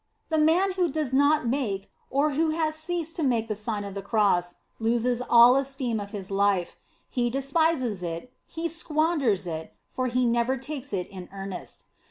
The man who does not make, or who has ceased to make the Sign of the Cross, loses all esteem of his life. He despises it, he squanders it, for he never takes it in earnest.